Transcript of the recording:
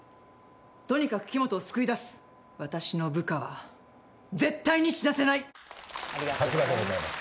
とにかく木元を救い出す」「私の部下は絶対に死なせない！」ありがとうございます。